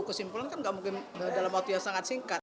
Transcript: kesimpulan kan tidak mungkin dalam waktu yang sangat singkat